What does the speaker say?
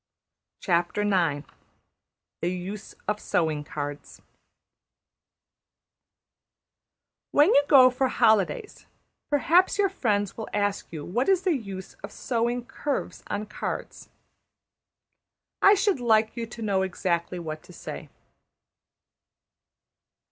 \chapter{The Use of Sewing Cards} When you go for holidays perhaps your friends will ask you what is the use of sewing curves on cards. I should like you to know exactly what to say.